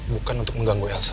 bukan untuk mengganggu elsa